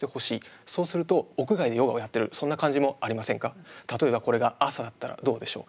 そうすると例えばこれが朝だったらどうでしょう。